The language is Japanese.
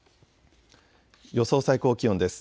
予想最高気温です。